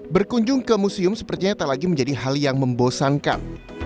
berkunjung ke museum sepertinya tak lagi menjadi hal yang membosankan